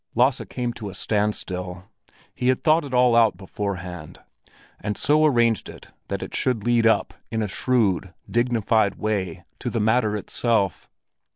Lasse came to a standstill. He had thought it all out beforehand, and so arranged it that it should lead up, in a shrewd, dignified way, to the matter itself.